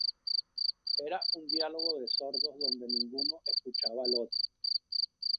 Era un diálogo de sordos donde ninguno escuchaba al otro